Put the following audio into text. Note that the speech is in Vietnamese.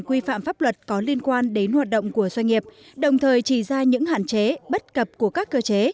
quy phạm pháp luật có liên quan đến hoạt động của doanh nghiệp đồng thời chỉ ra những hạn chế bất cập của các cơ chế